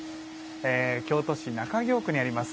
京都市中京区にあります